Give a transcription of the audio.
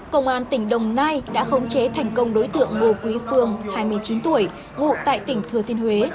công an tỉnh đồng nai đã khống chế thành công đối tượng ngô quý phương hai mươi chín tuổi ngụ tại tỉnh thừa thiên huế